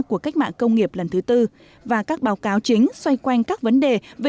của cách mạng công nghiệp lần thứ tư và các báo cáo chính xoay quanh các vấn đề về